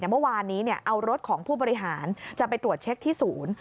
เมื่อวานนี้เอารถของผู้บริหารจะไปตรวจเช็คที่ศูนย์